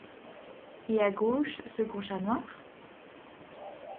Et à gauche, ce gros chat noir?